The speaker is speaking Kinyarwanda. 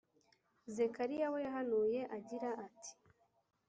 zekariya we yahanuye agira ati: